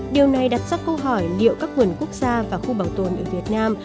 điều này đặt sắc câu hỏi liệu các nguồn quốc gia và khu bảo tồn ở việt nam